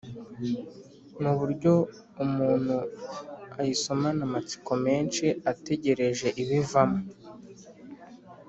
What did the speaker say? mu buryo umuntu ayisomana amatsiko menshi ategereje ibivamo